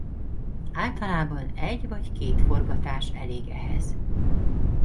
Általában egy vagy két forgatás elég ehhez.